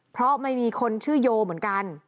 เพราะไม่มีคนชื่อโยเหมือนกัน